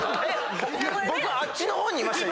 僕あっちの方にいました